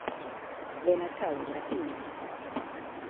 Benachado, graciñas!